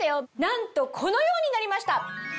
なんとこのようになりました！